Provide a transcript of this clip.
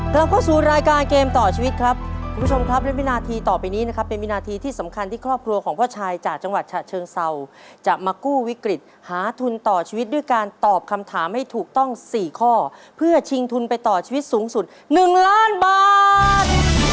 กลับเข้าสู่รายการเกมต่อชีวิตครับคุณผู้ชมครับและวินาทีต่อไปนี้นะครับเป็นวินาทีที่สำคัญที่ครอบครัวของพ่อชายจากจังหวัดฉะเชิงเศร้าจะมากู้วิกฤตหาทุนต่อชีวิตด้วยการตอบคำถามให้ถูกต้อง๔ข้อเพื่อชิงทุนไปต่อชีวิตสูงสุด๑ล้านบาท